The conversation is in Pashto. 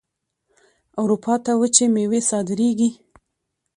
اروپا ته وچې میوې صادریږي.